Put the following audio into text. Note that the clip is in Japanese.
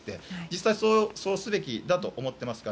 実際にそうすべきだと思っています。